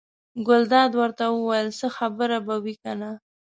ګلداد ورته وویل: څه خبره به وي کنه.